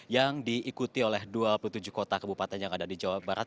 yang diikuti oleh dua puluh tujuh kota kebupatan yang ada di jawa barat